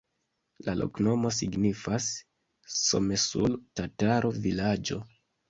La loknomo signifas: Somesul-tataro-vilaĝo.